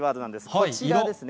こちらですね。